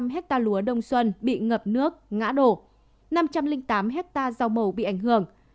một mươi năm bảy trăm linh hectare lúa đông xuân bị ngập nước ngã đổ năm trăm linh tám hectare rau màu bị ảnh hưởng